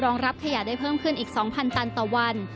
รับขยะได้เพิ่มขึ้นอีก๒๐๐ตันต่อวัน